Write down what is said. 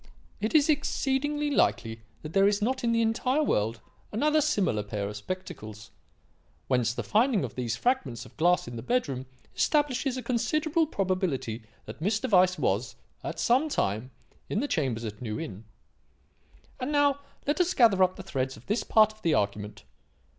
It is exceedingly likely that there is not in the entire world another similar pair of spectacles. Whence the finding of these fragments of glass in the bedroom establishes a considerable probability that Mr. Weiss was, at some time, in the chambers at New Inn. "And now let us gather up the threads of this part of the argument.